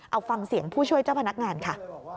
เอาฟังเสียงผู้ช่วยเจ้าพนักงานค่ะ